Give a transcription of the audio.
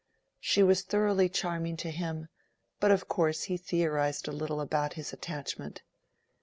She was thoroughly charming to him, but of course he theorized a little about his attachment.